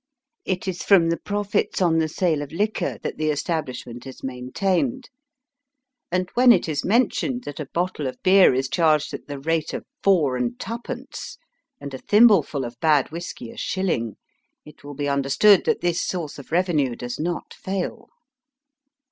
It is from the profits on the sale of liquor that the establishment is maintained, and when it is mentioned that a bottle of beer is charged at the rate of four and twopence, and a thimbleful of bad whisky a shiUing, it will be understood that this source of revenue does not fail.